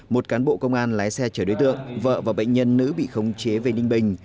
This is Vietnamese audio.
một cán bộ công an lái xe chở đối tượng vợ và bệnh nhân nữ bị khống chế về ninh bình